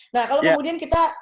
nah kalau kemudian kita